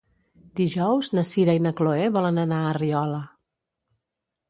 Dijous na Sira i na Chloé volen anar a Riola.